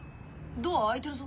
ドア開いてるぞ。